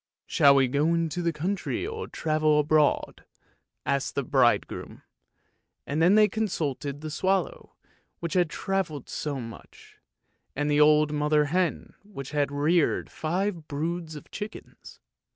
" Shall we go into the country or travel abroad? " asked the bridegroom, and then they consulted the swallow which had travelled so much, and the old mother hen which had reared five broods of chickens.